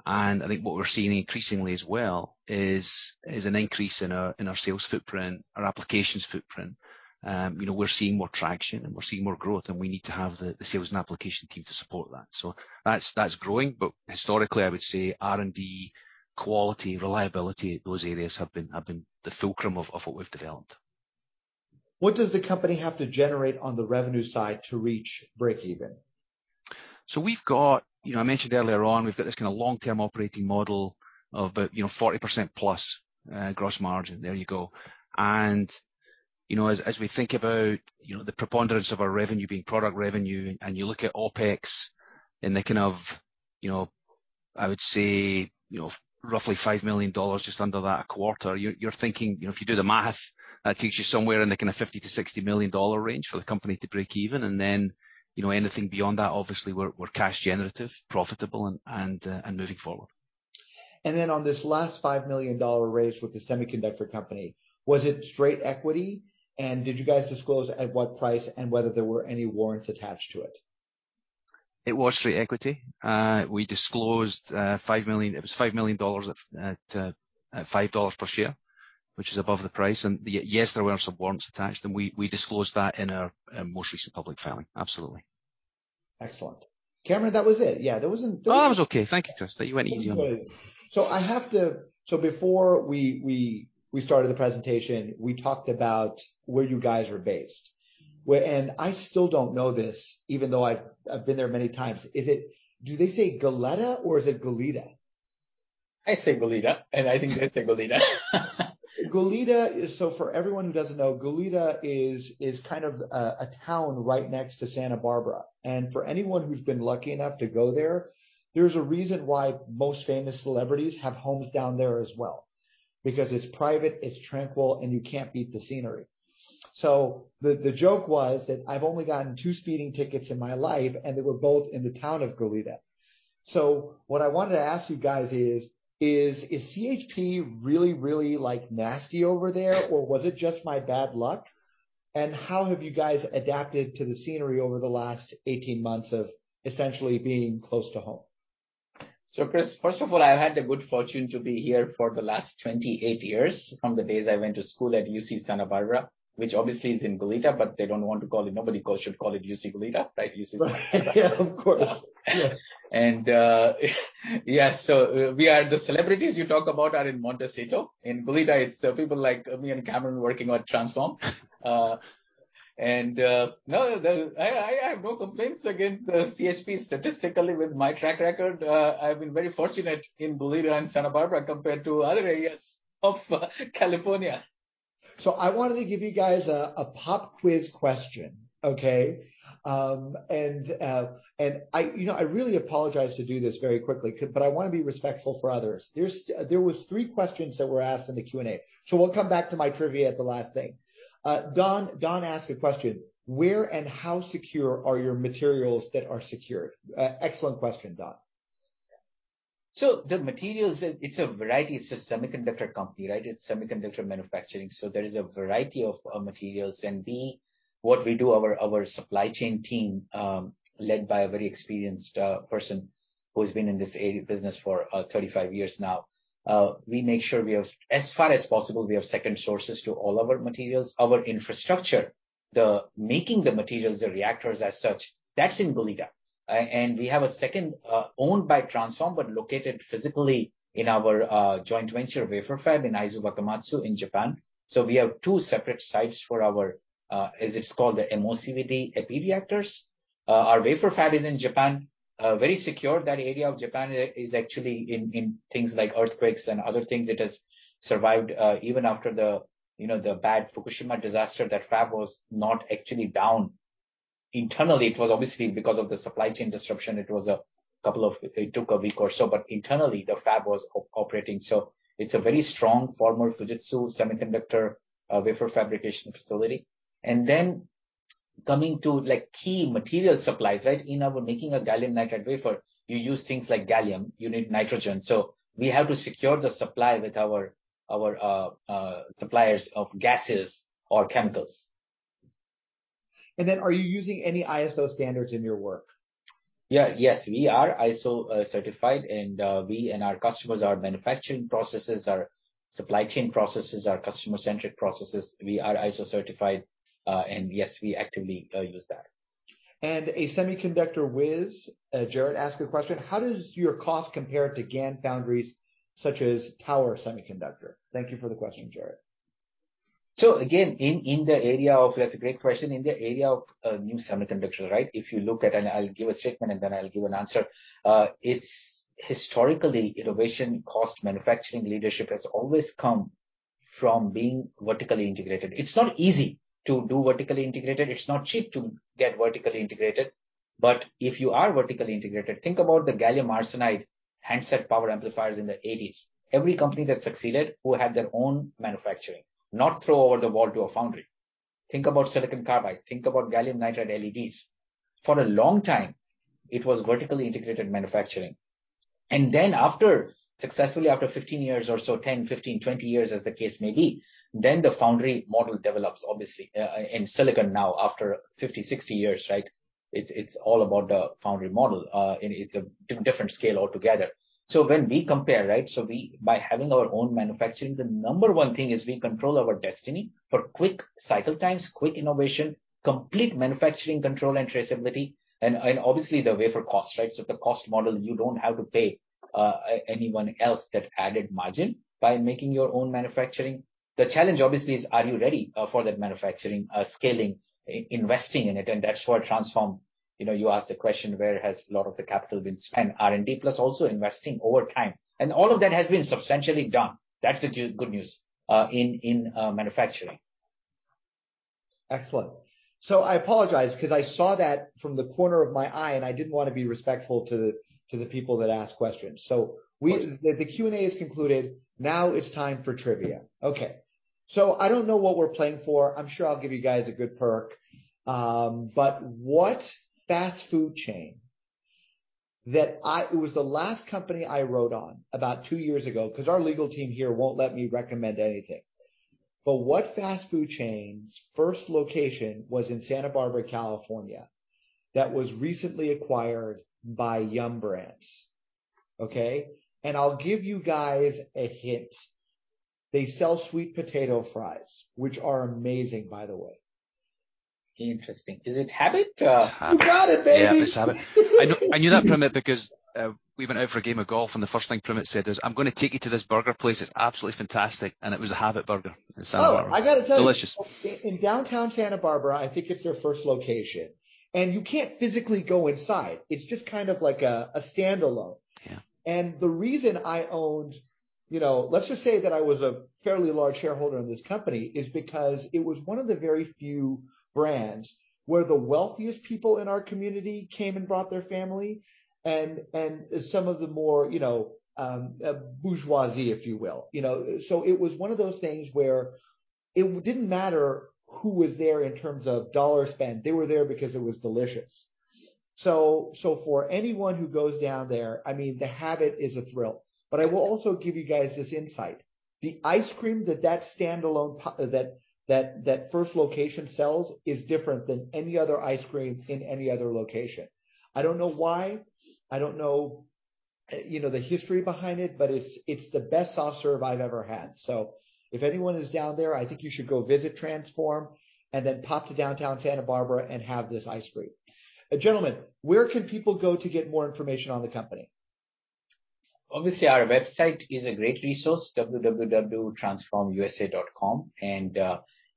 and I think what we're seeing increasingly as well is an increase in our sales footprint, our applications footprint. We're seeing more traction and we're seeing more growth, and we need to have the sales and application team to support that. That's growing. Historically, I would say R&D, quality, reliability, those areas have been the fulcrum of what we've developed. What does the company have to generate on the revenue side to reach break even? I mentioned earlier on, we've got this kind of long-term operating model of about 40% plus gross margin. There you go. As we think about the preponderance of our revenue being product revenue, and you look at OpEx and the kind of, I would say, roughly $5 million just under that a quarter. You're thinking, if you do the math, that takes you somewhere in the kind of $50 million-$60 million range for the company to break even. Anything beyond that, obviously, we're cash generative, profitable and moving forward. On this last $5 million raise with the semiconductor company, was it straight equity? Did you guys disclose at what price and whether there were any warrants attached to it? It was straight equity. It was $5 million at $5 per share, which is above the price. Yes, there were some warrants attached, and we disclosed that in our most recent public filing. Absolutely. Excellent. Cameron, that was it. Yeah. Oh, that was okay. Thank you, Chris. You went easy on me. Before we started the presentation, we talked about where you guys are based. I still don't know this, even though I've been there many times. Do they say Goleta or is it Goleta? I say Goleta, and I think they say Goleta. For everyone who doesn't know, Goleta is kind of a town right next to Santa Barbara. For anyone who's been lucky enough to go there's a reason why most famous celebrities have homes down there as well, because it's private, it's tranquil, and you can't beat the scenery. The joke was that I've only gotten two speeding tickets in my life, and they were both in the town of Goleta. What I wanted to ask you guys is CHP really nasty over there, or was it just my bad luck? How have you guys adapted to the scenery over the last 18 months of essentially being close to home? Chris, first of all, I've had the good fortune to be here for the last 28 years from the days I went to school at UC Santa Barbara, which obviously is in Goleta, but they don't want to call it, nobody should call it UC Goleta, right? UC Santa Barbara. Yeah, of course. Yeah. Yeah, the celebrities you talk about are in Montecito. In Goleta, it's people like me and Cameron working on Transphorm. No, I have no complaints against CHP. Statistically, with my track record, I've been very fortunate in Goleta and Santa Barbara compared to other areas of California. I wanted to give you guys a pop quiz question, okay? I really apologize to do this very quickly, but I want to be respectful for others. There was three questions that were asked in the Q&A. We'll come back to my trivia at the last thing. Don asked a question, "Where and how secure are your materials that are secured?" Excellent question, Don. The materials, it's a variety. It's a semiconductor company, right? It's semiconductor manufacturing, there is a variety of materials. What we do, our supply chain team, led by a very experienced person who's been in this business for 35 years now. We make sure as far as possible, we have second sources to all our materials. Our infrastructure, making the materials, the reactors as such, that's in Goleta. We have a second, owned by Transphorm, but located physically in our joint venture wafer fab in Aizu Wakamatsu in Japan. We have two separate sites for our, as it's called, the MOCVD epi reactors. Our wafer fab is in Japan. Very secure. That area of Japan is actually in things like earthquakes and other things, it has survived, even after the bad Fukushima disaster, that fab was not actually down. Internally, it was obviously because of the supply chain disruption, it took a week or so, but internally, the fab was operating. It's a very strong former Fujitsu semiconductor wafer fabrication facility. Coming to key material supplies. In our making a gallium nitride wafer, you use things like gallium, you need nitrogen. We have to secure the supply with our suppliers of gases or chemicals. Are you using any ISO standards in your work? Yeah. Yes, we are ISO certified, and we and our customers, our manufacturing processes, our supply chain processes, our customer-centric processes, we are ISO certified. Yes, we actively use that. A semiconductor whiz, Jared, asked a question, "How does your cost compare to GaN foundries such as Tower Semiconductor?" Thank you for the question, Jared. Again, that's a great question. In the area of new semiconductor, if you look at, and I'll give a statement, and then I'll give an answer. Historically, innovation cost manufacturing leadership has always come from being vertically integrated. It's not easy to do vertically integrated. It's not cheap to get vertically integrated. If you are vertically integrated, think about the gallium arsenide handset power amplifiers in the '80s. Every company that succeeded who had their own manufacturing, not throw over the wall to a foundry. Think about silicon carbide. Think about gallium nitride LEDs. For a long time, it was vertically integrated manufacturing. After successfully after 15 years or so, 10, 15, 20 years as the case may be, then the foundry model develops, obviously, in silicon now after 50, 60 years, right. It's all about the foundry model. It's a different scale altogether. When we compare, by having our own manufacturing, the number one thing is we control our destiny for quick cycle times, quick innovation, complete manufacturing control and traceability, and obviously the wafer cost. The cost model, you don't have to pay anyone else that added margin by making your own manufacturing. The challenge, obviously, is are you ready for that manufacturing, scaling, investing in it? That's where Transphorm, you asked the question, where has a lot of the capital been spent, R&D plus also investing over time. All of that has been substantially done. That's the good news in manufacturing. Excellent. I apologize because I saw that from the corner of my eye, and I didn't want to be respectful to the people that asked questions. Of course. the Q&A is concluded. Now it's time for trivia. Okay. I don't know what we're playing for. I'm sure I'll give you guys a good perk. It was the last company I wrote on about two years ago, because our legal team here won't let me recommend anything. What fast food chain's first location was in Santa Barbara, California, that was recently acquired by Yum Brands? Okay. I'll give you guys a hint. They sell sweet potato fries, which are amazing, by the way. Interesting. Is it Habit? It's Habit. You got it, baby. Yeah, it's Habit. I knew that, Pramit, because we went out for a game of golf, and the first thing Pramit said is, "I'm going to take you to this burger place. It's absolutely fantastic." It was a Habit Burger in Santa Barbara. Oh, I got to tell you- Delicious in downtown Santa Barbara, I think it's their first location. You can't physically go inside. It's just like a standalone. Yeah. The reason I owned, let's just say that I was a fairly large shareholder in this company, is because it was one of the very few brands where the wealthiest people in our community came and brought their family and some of the more bourgeoisie, if you will. It was one of those things where it didn't matter who was there in terms of dollar spent. They were there because it was delicious. For anyone who goes down there, Habit is a thrill. I will also give you guys this insight. The ice cream that first location sells is different than any other ice cream in any other location. I don't know why. I don't know the history behind it, but it's the best soft serve I've ever had. If anyone is down there, I think you should go visit Transphorm and then pop to downtown Santa Barbara and have this ice cream. Gentlemen, where can people go to get more information on the company? Obviously, our website is a great resource, www.transphormusa.com.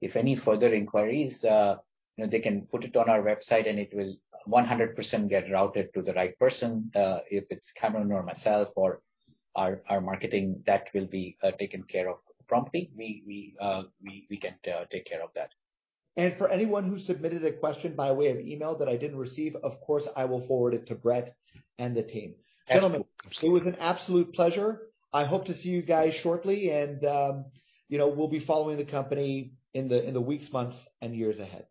If any further inquiries, they can put it on our website, and it will 100% get routed to the right person. If it's Cameron or myself or our marketing, that will be taken care of promptly. We can take care of that. For anyone who submitted a question by way of email that I didn't receive, of course, I will forward it to Brett and the team. Absolutely. Gentlemen, it was an absolute pleasure. I hope to see you guys shortly, and we'll be following the company in the weeks, months, and years ahead.